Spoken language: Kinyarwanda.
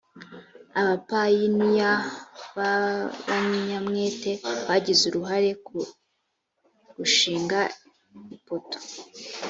abapayiniya b abanyamwete bagize uruhare mu gushing ipoto